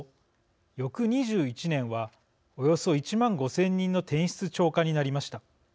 翌２１年はおよそ１万５０００人の転出超過になりました。